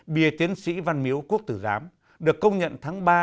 bìa tiến sĩ văn miễu quốc tử gám được công nhận tháng ba